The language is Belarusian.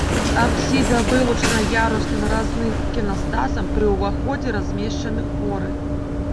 Апсіда вылучана ярусным разным іканастасам, пры ўваходзе размешчаны хоры.